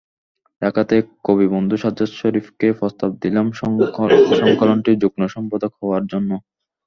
ঢাকাতেই কবিবন্ধু সাজ্জাদ শরিফকে প্রস্তাব দিলাম সংকলনটির যুগ্ম সম্পাদক হওয়ার জন্য।